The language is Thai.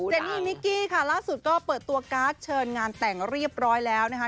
เนนี่มิกกี้ค่ะล่าสุดก็เปิดตัวการ์ดเชิญงานแต่งเรียบร้อยแล้วนะคะ